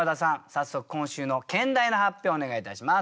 早速今週の兼題の発表をお願いいたします。